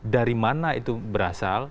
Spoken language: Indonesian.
dari mana itu berasal